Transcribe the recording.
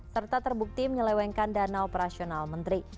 serta terbukti menyelewengkan dana operasional menteri